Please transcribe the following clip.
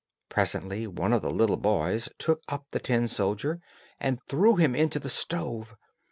Presently one of the little boys took up the tin soldier, and threw him into the stove.